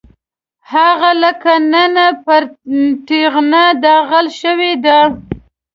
هغه لکه نېنه پر تېغنه داغل شوی دی.